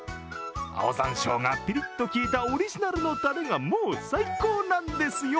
青山椒がピリッと効いたオリジナルのたれが、もう最高なんですよ。